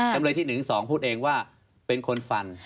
จำเลยที่๑๒พูดเองว่าเป็นคนฟัน